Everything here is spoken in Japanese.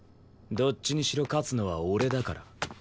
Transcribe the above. どっちにしろ勝つのは俺だから。